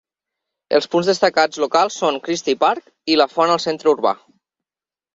Els punts destacats locals són Christie Park i la Font al centre urbà.